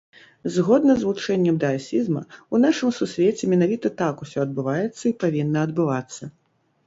Згодна з вучэннем даасізма, у нашым сусвеце менавіта так усё адбываецца і павінна адбывацца.